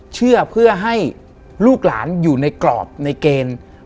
เชื่อเพื่อให้ลูกหลานอยู่ในกรอบในเกณฑ์